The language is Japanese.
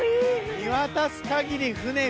見渡す限り船船船。